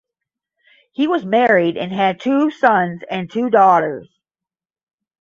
He was married and had two sons and two daughters.